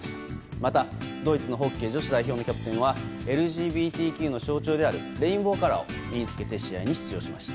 またドイツのホッケー女子代表はＬＧＢＴＱの象徴であるレインボーカラーを身に着けて試合に出場しました。